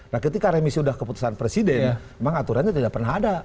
nah ketika remisi sudah keputusan presiden memang aturannya tidak pernah ada